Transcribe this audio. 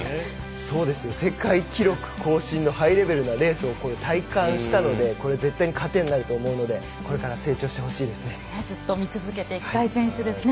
世界記録更新のハイレベルなレースを体感したので絶対に糧になると思うのでこれから成長してほしいですね。